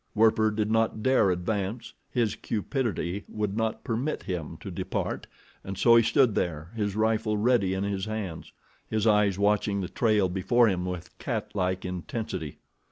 Werper did not dare advance—his cupidity would not permit him to depart, and so he stood there, his rifle ready in his hands, his eyes watching the trail before him with catlike intensity.